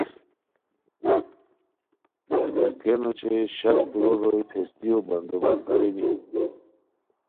پھتاکین اوچے شک دُورو روئے پھیستیو بندو بست ارینی